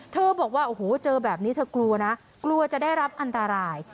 บอกว่าโอ้โหเจอแบบนี้เธอกลัวนะกลัวจะได้รับอันตราย